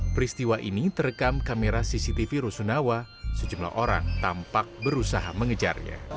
peristiwa ini terekam kamera cctv rusunawa sejumlah orang tampak berusaha mengejarnya